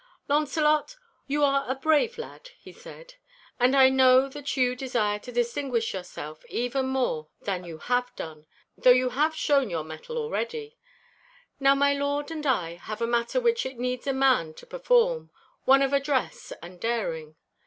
'Launcelot, you are a brave lad,' he said, 'and I know that you desire to distinguish yourself even more than you have done, though you have shown your mettle already. Now my lord and I have a matter which it needs a man to perform—one of address and daring.